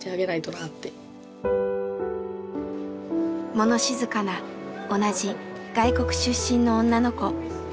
物静かな同じ外国出身の女の子。